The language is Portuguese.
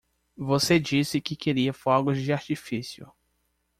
Você disse que queria fogos de artifício.